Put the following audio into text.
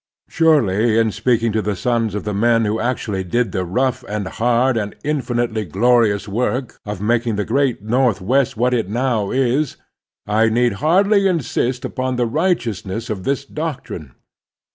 Surely in speaking to the sons of the men who actually did the rough and hard and infinitely glorious work of making the great Northwest what it now is, I need hardly insist upon the righteous ness of this doctrine.